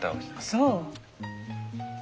そう。